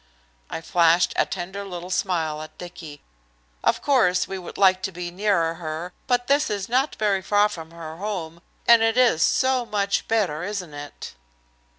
I flashed a tender little smile at Dicky. "Of course we would like to be nearer her, but this is not very far from her home, and it is so much better, isn't it?"